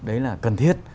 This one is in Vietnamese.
đấy là cần thiết